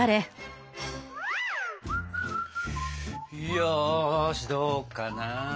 よしどうかな。